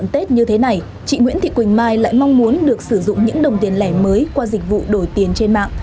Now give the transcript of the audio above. tết như thế này chị nguyễn thị quỳnh mai lại mong muốn được sử dụng những đồng tiền lẻ mới qua dịch vụ đổi tiền trên mạng